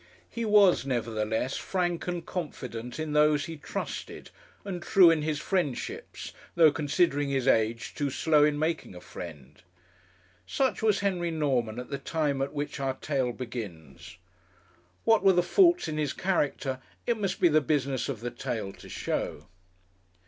He was, nevertheless, frank and confident in those he trusted, and true in his friendships, though, considering his age, too slow in making a friend. Such was Henry Norman at the time at which our tale begins. What were the faults in his character it must be the business of the tale to show.